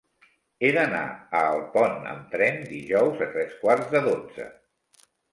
He d'anar a Alpont amb tren dijous a tres quarts de dotze.